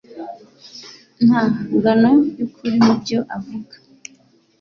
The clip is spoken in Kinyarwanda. Nta ngano yukuri mubyo avuga.